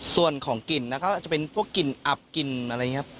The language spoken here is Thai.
ส่วนของกลิ่นนะครับจะเป็นพวกกลิ่นอับกลิ่นอะไรอย่างนี้ครับ